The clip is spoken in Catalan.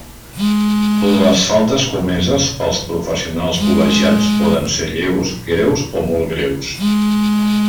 Les faltes comeses pels professionals col·legiats poden ser lleus, greus o molt greus.